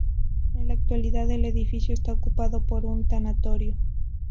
En la actualidad el edificio está ocupado por un tanatorio.